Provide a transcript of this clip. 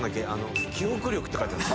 「記憶力」って書いてある。